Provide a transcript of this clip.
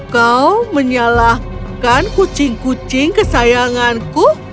kau menyalahkan kucing kucing kesayanganku